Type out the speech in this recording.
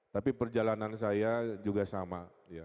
tapi perjalanan saya juga sama